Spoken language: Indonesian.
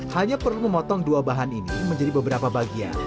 hanya perlu memotong dua bahan ini menjadi beberapa bagian